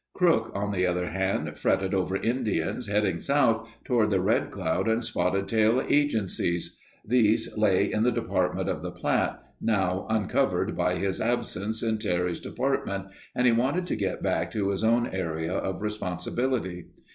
Crook, on the other hand, fretted over Indians heading south, toward the Red Cloud and Spotted Tail agencies; these lay in the Department of the Platte, now uncovered by his absence in Terry's depart ment, and he wanted to get back to his own area of responsibility.